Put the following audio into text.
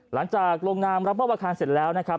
หลังจากลงนามรับมอบอาคารเสร็จแล้วนะครับ